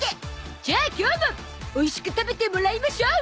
じゃあ今日も美味しく食べてもらいましょう！